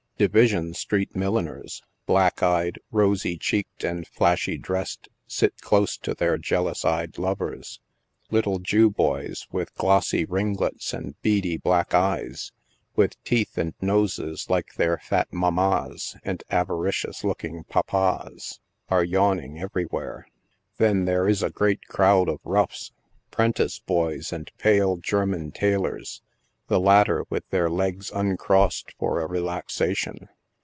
DiTision street milliners, black eyed, rosy cheeked, and flashy dressed sit close to their jealous eyed lovers. Little Jew boys, with glossy ringlets and beady black eyes, with teeth and noses like their fat mammas and avaricious looking papas, are yawning every where. Then there is a great crowd of roughs, prentice boys and pale, German tailors — the latter with their legs uncrossed for a relaxation.